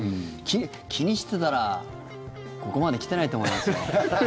気にしてたらここまで来てないと思いますね。